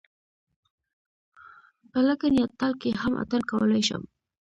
په لګن یا تال کې هم اتڼ کولای شم.